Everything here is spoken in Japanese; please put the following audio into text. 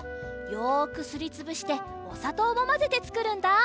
よくすりつぶしておさとうをまぜてつくるんだ。